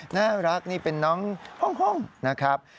น่ารักนี่เป็นน้องห้องนะครับ